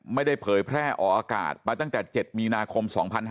ไม่ได้เผยแพร่ออกอากาศมาตั้งจาก๗มีนาคม๒๕๕๐